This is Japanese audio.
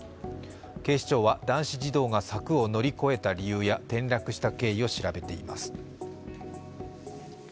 警視庁は男子児童が柵を乗り越えた理由や転落した経緯を調べています。